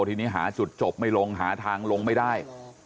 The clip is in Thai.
ทีนี้หาจุดจบไม่ลงหาทางลงไม่ได้